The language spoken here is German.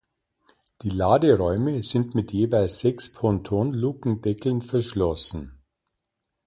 Die Laderäume sind mit jeweils sechs Pontonlukendeckeln verschlossen.